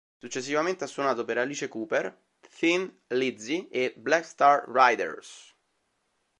Successivamente ha suonato per Alice Cooper, Thin Lizzy e Black Star Riders.